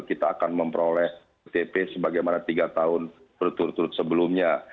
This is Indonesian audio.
kita akan memperoleh otp sebagaimana tiga tahun berturut turut sebelumnya